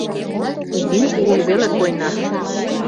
Изин-кугун веле койна.